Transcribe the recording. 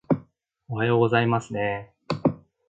おはようございますねー